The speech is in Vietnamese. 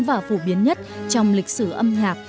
và phổ biến nhất trong lịch sử âm nhạc